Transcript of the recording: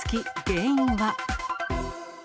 原因は。